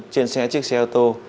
trên xe chiếc xe ô tô